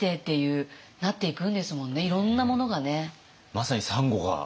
まさにサンゴが。